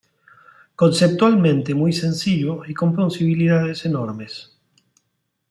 Conceptualmente muy sencillo y con posibilidades enormes.